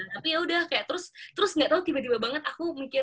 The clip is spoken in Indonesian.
tapi yaudah kayak terus terus gak tau tiba tiba banget aku mikir